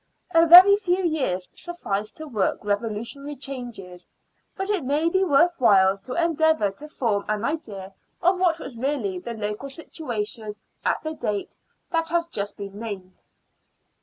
A very few years sufficed to work revolu tionary changes, but it may be worth while to endeavour to form an idea of what was really the local situation at the date that has just been named.